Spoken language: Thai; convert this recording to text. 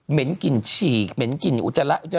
กลิ่นฉีกเหม็นกลิ่นอุจจาระ